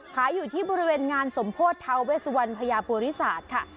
ขายอยู่ที่บริเวณงานสมโพธิทาเวสวันพญาปุริศาสตร์ค่ะ